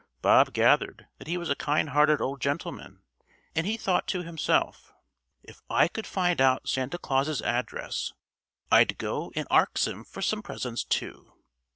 Bob gathered that he was a kind hearted old gentleman, and he thought to himself: "If I could find out Santa Claus's address, I'd go and arx 'im for some presents too."